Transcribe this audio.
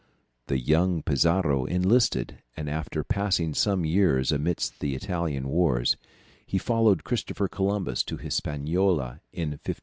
The young Pizarro enlisted, and after passing some years amidst the Italian wars, he followed Christopher Columbus to Hispaniola in 1510.